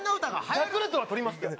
ヤクルトは取りますけど。